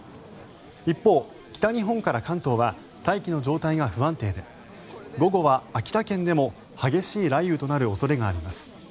一方、北日本から関東は大気の状態が不安定で午後は秋田県でも激しい雷雨となる恐れがあります。